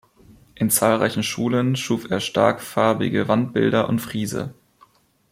In zahlreichen Schulen schuf er stark farbige Wandbilder und Friese.